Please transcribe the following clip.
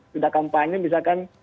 sudah kampanye misalkan